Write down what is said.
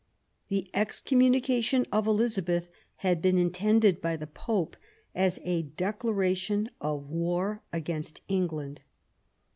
The excommunication of Elizabeth had been in tended by the Pope as a declaration of war against England.